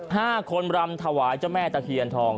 ห้าคนรำถวายเจ้าแม่ตะเคียนทอง